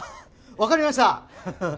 分かりました！